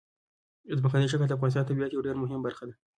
ځمکنی شکل د افغانستان د طبیعت یوه ډېره مهمه برخه ده.